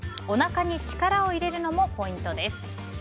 おなかに力を入れるのもポイントです。